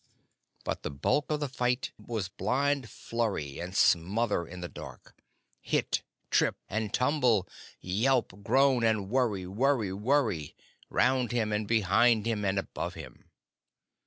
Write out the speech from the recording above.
But the bulk of the fight was blind flurry and smother in the dark; hit, trip, and tumble, yelp, groan, and worry worry worry, round him and behind him and above him.